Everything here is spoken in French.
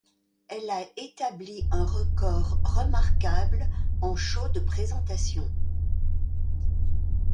Elle a établi un record remarquable en show de présentation.